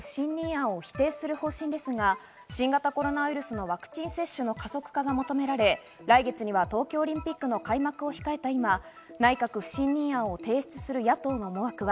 与党側は内閣不信任案を否定する方針ですが、新型コロナウイルスのワクチン接種の加速化が求められ、来月には東京オリンピックの開幕を控えた今、内閣不信任案を掲出する野党の思惑は？